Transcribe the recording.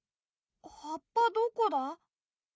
はっぱどこだ？